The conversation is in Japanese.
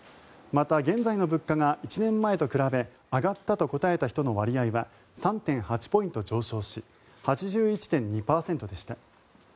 また現在の物価が１年前と比べ上がったと答えた人の割合は３．８ポイント上昇し８１．２％でした。